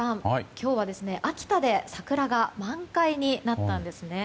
今日は、秋田で桜が満開になったんですね。